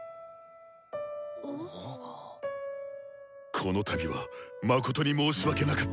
この度は誠に申し訳なかった。